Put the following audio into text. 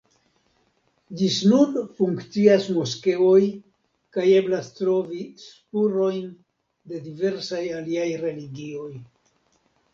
Ĝis nun funkcias moskeoj kaj eblas trovi spurojn de diversaj aliaj religioj.